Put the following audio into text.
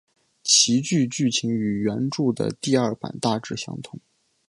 其剧剧情与原着的第二版大致相同。